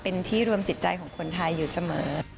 เป็นที่รวมจิตใจของคนไทยอยู่เสมอ